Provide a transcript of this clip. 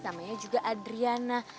namanya juga adriana